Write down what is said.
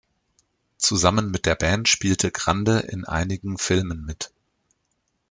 Zusammen mit der Band spielte Grande in einigen Filmen mit.